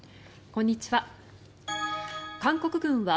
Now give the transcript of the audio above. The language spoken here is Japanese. こんにちは。